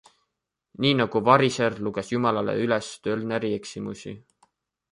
Nii nagu variser luges Jumalale üles tölneri eksimusi.